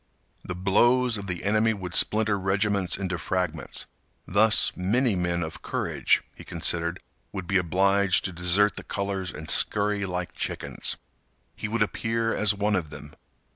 The blows of the enemy would splinter regiments into fragments. Thus, many men of courage, he considered, would be obliged to desert the colors and scurry like chickens. He would appear as one of them.